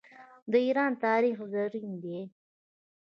د ایران تاریخ زرین دی.